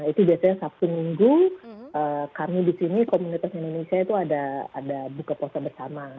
itu biasanya sabtu minggu kami di sini komunitas indonesia itu ada buka puasa bersama